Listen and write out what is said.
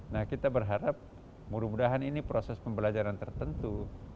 nah kita berharap mudah mudahan ini proses pembelajaran tertentu